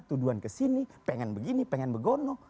tuduhan ke sini pengen begini pengen begono